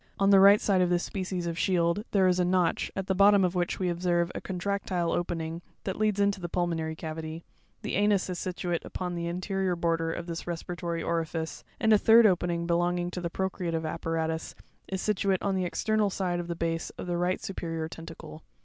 On the right side of this species of shield, there is a notch, at the bottom of which we observe a contractile opening (fig. 22, ro), that leads into the pulmonary cavity; the anus is situate upon the anterior border of this respiratory orifice, and a third opening belonging to the procreative apparatus is situate on the external side of the base of the right superior tentacle.